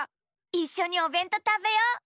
いっしょにおべんとうたべよう。